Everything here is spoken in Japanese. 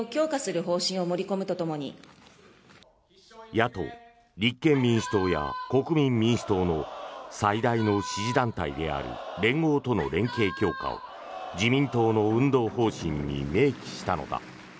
野党・立憲民主党や国民民主党の最大の支持団体である連合との連携強化を自民党の運動方針に明記したのだ。